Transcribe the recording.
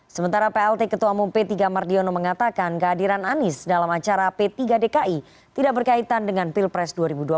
sementara plt ketua umum p tiga mardiono mengatakan kehadiran anies dalam acara p tiga dki tidak berkaitan dengan pilpres dua ribu dua puluh